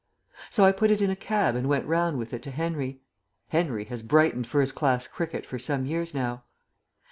So I put it in a cab and went round with it to Henry. Henry has brightened first class cricket for some years now.